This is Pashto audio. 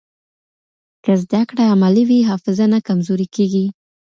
که زده کړه عملي وي، حافظه نه کمزورې کېږي.